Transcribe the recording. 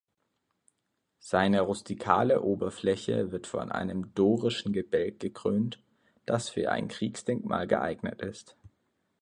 Seine rustikale Oberfläche wird von einem dorischen Gebälk gekrönt, das für ein Kriegsdenkmal geeignet ist.